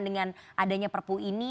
dengan adanya perpu ini